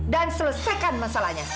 dan selesaikan masalahnya